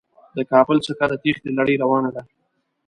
د کابل څخه د تېښتې لړۍ روانه ده.